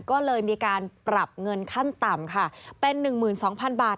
ก็เลยมีการปรับเงินขั้นต่ำค่ะเป็น๑๒๐๐๐บาท